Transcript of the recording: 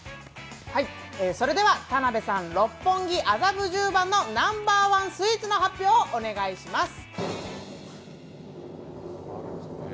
それでは田辺さん六本木・麻布十番のナンバーワンスイーツの発表をお願いします。